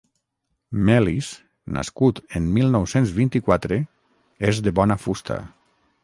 Melis, nascut en mil nou-cents vint-i-quatre, és de bona fusta.